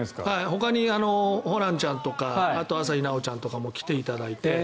ほかにホランちゃんとか朝日奈央ちゃんとかも来ていただいて。